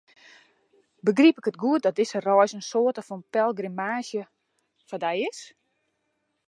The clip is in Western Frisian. Begryp ik it goed dat dizze reis in soarte fan pelgrimaazje foar dy is?